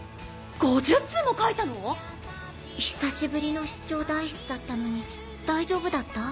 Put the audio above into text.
５０通も書いたの⁉久しぶりの出張代筆だったのに大丈夫だった？